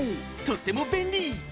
とっても便利！